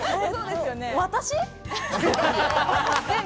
私？